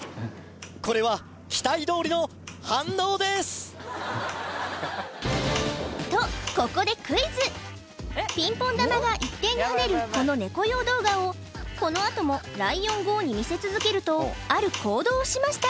これは期待どおりの反応です！とここでクイズピンポン球が一定に跳ねるこのネコ用動画をこのあともライオンＧＯに見せ続けるとある行動をしました